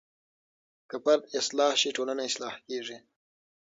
که فرد اصلاح شي ټولنه اصلاح کیږي.